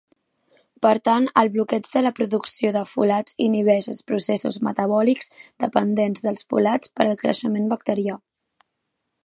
Per tant, el bloqueig de la producció de folats inhibeix els processos metabòlics dependents del folats per al creixement bacterià.